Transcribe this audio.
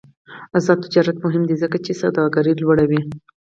آزاد تجارت مهم دی ځکه چې سوداګري لوړوي.